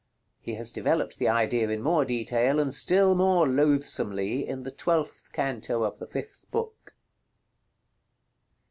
He has developed the idea in more detail, and still more loathsomely, in the twelfth canto of the fifth book.